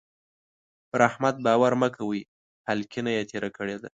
پر احمد باور مه کوئ؛ هلکينه يې تېره کړې ده.